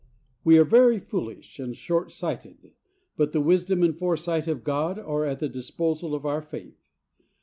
We are very foolish and shortsighted, but the wisdom and foresight of God are at the dis posal of our faith.